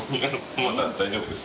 大丈夫です